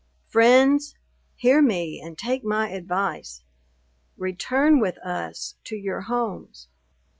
"Friends, hear me, and take my advice. Return with us to your homes.